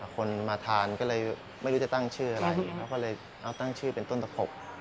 คนมาทานก็เลยไม่รู้จะตั้งชื่ออะไรเขาก็เลยเอาตั้งชื่อเป็นต้นตะขบ